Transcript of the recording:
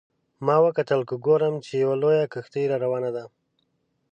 ما وکتل که ګورم چې یوه لویه کښتۍ را روانه ده.